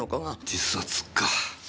自殺か。